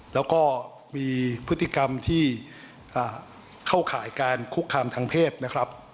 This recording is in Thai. แล้วก็มีพฤติกรรมที่เข้าข่ายการคุกคามทางเพศนะครับ